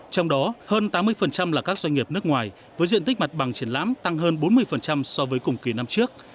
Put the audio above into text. trong đó hơn tám mươi là các doanh nghiệp nước ngoài với diện tích mặt bằng triển lãm tăng hơn bốn mươi so với cùng kỳ năm trước